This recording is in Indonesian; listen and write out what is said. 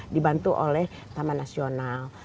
dibantu oleh taman nasional